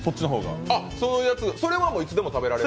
それはいつでも食べられる？